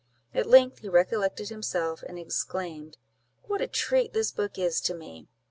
At length he recollected himself, and exclaimed—"What a treat this book is to me!